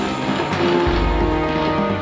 belanda itu telah selesai